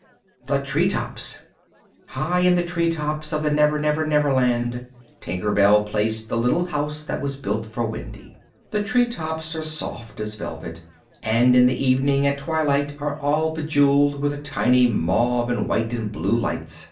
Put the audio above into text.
THE TREE TOPS High in the tree tops of the Never Never Never Land, Tinker Bell placed the little house that was built for Wendy. The tree tops are soft as velvet, and in the evening at twilight are all bejewelled with tiny mauve, and white, and blue lights.